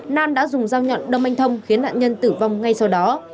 nam đã dùng dao nhọn đông manh thông khiến nạn nhân tử vong ngay sau đó